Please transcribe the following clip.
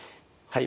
はい。